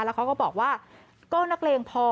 แล้วเขาก็บอกว่าก็นักเลงพอ